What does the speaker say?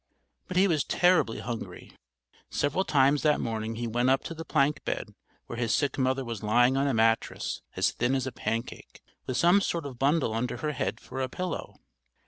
But he was terribly hungry. Several times that morning he went up to the plank bed where his sick mother was lying on a mattress as thin as a pancake, with some sort of bundle under her head for a pillow.